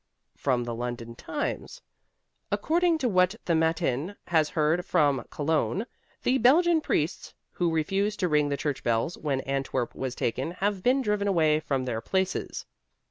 From the London Times: "According to what the Matin has heard from Cologne, the Belgian priests, who refused to ring the church bells when Antwerp was taken, have been driven away from their places."